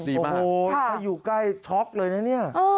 โอ้โหถ้าอยู่ใกล้ช็อกเลยนะเนี่ย